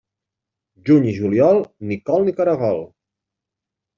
Juny i juliol, ni col ni caragol.